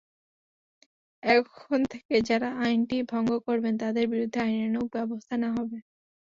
এখন থেকে যাঁরা আইনটি ভঙ্গ করবেন, তাদের বিরুদ্ধে আইনানুগ ব্যবস্থা নেওয়া হবে।